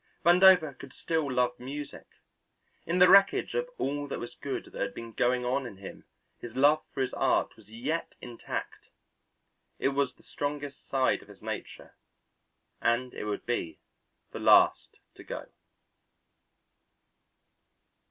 Vandover could still love music. In the wreckage of all that was good that had been going on in him his love for all art was yet intact. It was the strongest side of his nature and it would be the last to go.